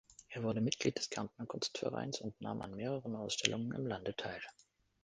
Er wurde Mitglied des Kärntner Kunstvereins und nahm an mehreren Ausstellungen im Lande teil.